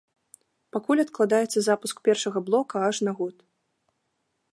Пакуль адкладаецца запуск першага блока аж на год.